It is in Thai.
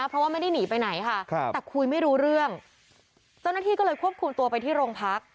เพราะว่าไม่ได้หนีไปไหนค่ะแต่คุยไม่รู้เรื่องเจ้าหน้าที่ก็เลยควบคุมตัวไปที่โรงพัก